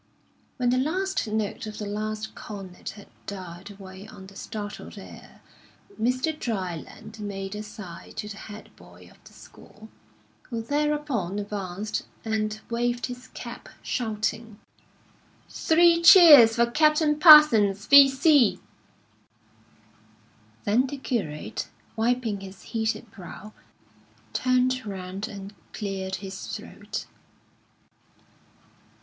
When the last note of the last cornet had died away on the startled air, Mr. Dryland made a sign to the head boy of the school, who thereupon advanced and waved his cap, shouting: "Three cheers for Capting Parsons, V.C.!" Then the curate, wiping his heated brow, turned round and cleared his throat.